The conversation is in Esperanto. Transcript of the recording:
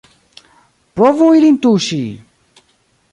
Provu ilin tuŝi!